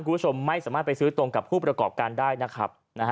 คุณผู้ชมไม่สามารถไปซื้อตรงกับผู้ประกอบการได้นะครับ